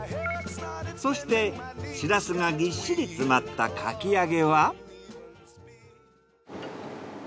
そしてしらすがぎっしり詰まったかき揚げは？